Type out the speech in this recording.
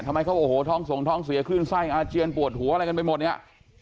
ทำไมเขาโอ้โหท้องส่งท้องเสียคลื่นไส้อาเจียนปวดหัวอะไรกันไปหมดเนี่ย